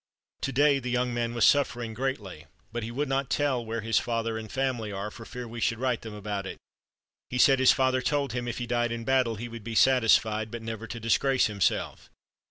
"To day the young man was suffering greatly, but he would not tell where his father or family are, for fear we should write them about it. He says his father told him if he died in battle he would be satisfied, but never to disgrace himself.